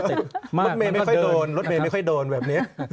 รถเมตรไม่ค่อยโดนรถเมตรไม่ค่อยโดนอย่างนั้น